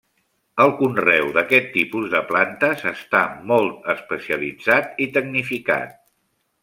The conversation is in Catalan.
El conreu d'aquest tipus de plantes està molt especialitzat i tecnificat.